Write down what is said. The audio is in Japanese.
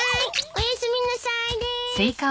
おやすみなさいでーす。